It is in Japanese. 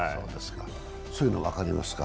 そういうの分かりますか？